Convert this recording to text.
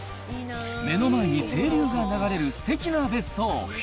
目の前に清流が流れるすてきな別荘。